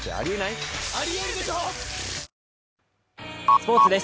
スポーツです。